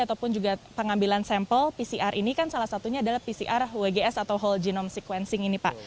ataupun juga pengambilan sampel pcr ini kan salah satunya adalah pcr wgs atau whole genome sequencing ini pak